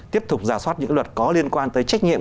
tiếp tục giả soát những luật có liên quan tới trách nhiệm